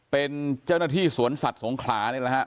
เป็นเจ้าหน้าที่สวนสัตว์สงขลานี่แหละฮะ